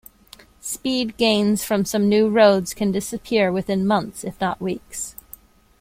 Speed gains from some new roads can disappear within months, if not weeks.